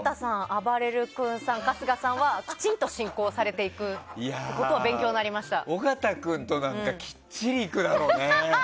あばれる君さん、春日さんはきちんと進行されていくということは尾形君となんかきっちりいくだろうね。